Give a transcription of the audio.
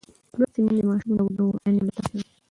لوستې میندې د ماشوم د ودې او هوساینې ملاتړ کوي.